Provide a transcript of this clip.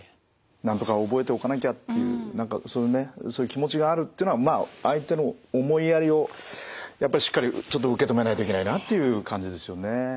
なんとか覚えておかなきゃっていうそういう気持ちがあるっていうのはまあ相手の思いやりをやっぱりしっかりちょっと受け止めないといけないなという感じですよね。